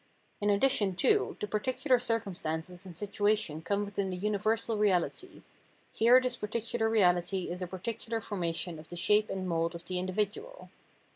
In addition, too, the particular circum stances and situation come within the universal reahty ; here this particular reahty is a particular formation of the shape and mould of the individual.